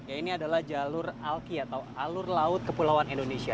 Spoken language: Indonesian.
ya ini adalah jalur alki atau alur laut kepulauan indonesia